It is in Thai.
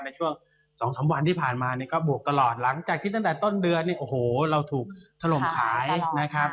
ในช่วง๒๓วันที่ผ่านมาเนี่ยก็บวกตลอดหลังจากที่ตั้งแต่ต้นเดือนเนี่ยโอ้โหเราถูกถล่มขายนะครับ